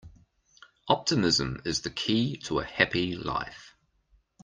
Optimism is the key to a happy life.